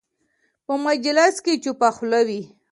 په مجلس کې چوپه خوله وي.